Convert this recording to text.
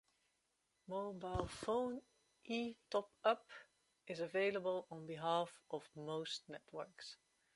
Mobile phone E Top-up is available on behalf of most networks.